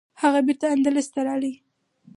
هغه بیرته اندلس ته راځي.